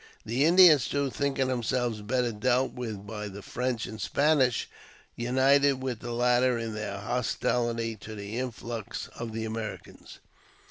The Indians, too, thinking them selves better dealt with by the French and Spanish, united with the latter in their hostility to the influx of the Americans.